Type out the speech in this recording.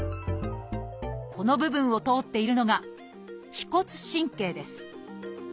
この部分を通っているのが「腓骨神経」です。